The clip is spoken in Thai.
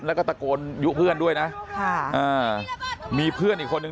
แล้วก็ตะโกนเพื่อนด้วยนะมีเพื่อนอีกคนนึง